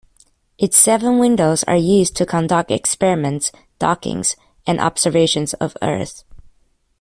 Its seven windows are used to conduct experiments, dockings and observations of Earth.